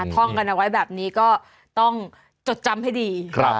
ท่องกันเอาไว้แบบนี้ก็ต้องจดจำให้ดี